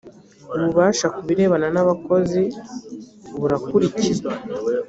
ububasha ku birebana n ‘abakozi burakurikizwa.